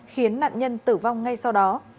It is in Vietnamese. khiến nạn nhân tử vong ngay sau đó